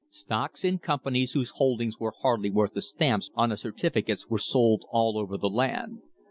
Stocks in companies whose holdings were hardly worth the stamps on the certificates were sold all over the land.